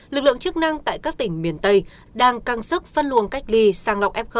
lực lượng chức năng tại các tỉnh miền tây đang căng sức phân luồng cách ly sang lọc f